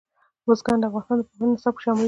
بزګان د افغانستان د پوهنې نصاب کې شامل دي.